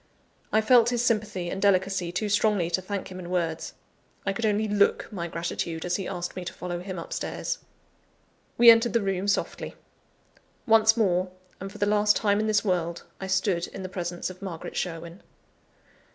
I felt his sympathy and delicacy too strongly to thank him in words; I could only look my gratitude as he asked me to follow him up stairs. We entered the room softly. Once more, and for the last time in this world, I stood in the presence of Margaret Sherwin.